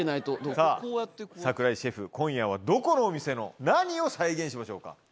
さぁ櫻井シェフ今夜はどこのお店の何を再現しましょうか？